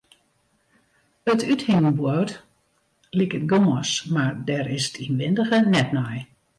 It úthingboerd liket gâns, mar dêr is 't ynwindige net nei.